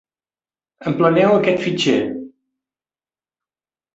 Empleneu aquest fitxer.